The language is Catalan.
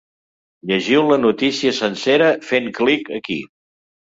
Llegiu la notícia sencera fent clic aquí.